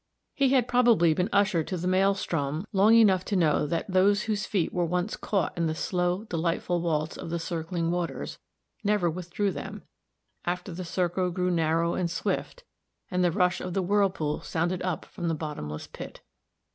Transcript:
He had probably been usher to the maelstrom long enough to know that those whose feet were once caught in the slow, delightful waltz of the circling waters never withdrew them, after the circle grew narrow and swift, and the rush of the whirlpool sounded up from the bottomless pit.